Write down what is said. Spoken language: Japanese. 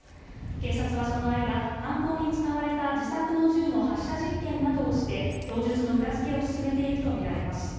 警察はその間、犯行に使われた自作の銃の発射実験などをして供述の裏付けを進めているとみられます。